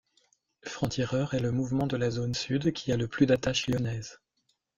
Franc-Tireur est le mouvement de la zone sud qui a le plus d'attache lyonnaise.